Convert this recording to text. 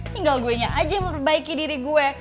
tinggal gue nya aja yang memperbaiki diri gue